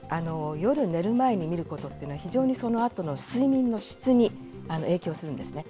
夜寝る前に見るってことは、非常にそのあとの睡眠の質に影響するんですね。